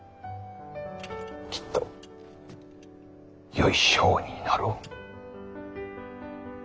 きっとよい将になろう。